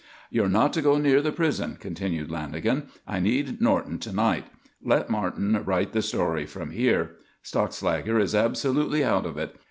"You're not to go near the prison," continued Lanagan. "I need Norton to night. Let Martin write the story from here. Stockslager is absolutely out of it.